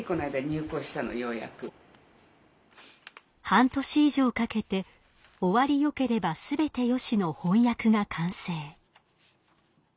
半年以上かけて「終わりよければすべてよし」の翻訳が完成。